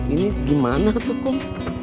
ini gimana tuh kum